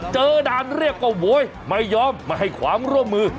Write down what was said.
เจอด่านเรียกกับโหยไม่ยอมมาให้ขวามร่วมมือ